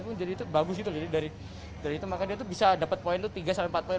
pun jadi itu bagus itu jadi dari dari itu maka itu bisa dapat poin itu tiga sampai empat poin